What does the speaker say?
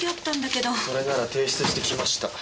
それなら提出してきました。